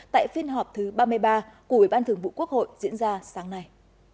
tại phiên họp thứ ba mươi ba của ủy ban thường vụ quốc hội diễn ra sáng nay